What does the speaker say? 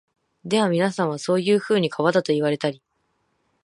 ではみなさんは、そういうふうに川だと云いわれたり、